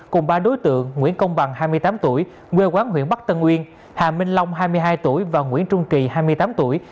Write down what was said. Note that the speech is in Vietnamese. cùng ba đối tượng nguyễn công bằng hai mươi tám tuổi quê quán huyện bắc tân uyên hà minh long hai mươi hai tuổi và nguyễn trung kỳ hai mươi tám tuổi